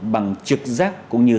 bằng trực giác cũng như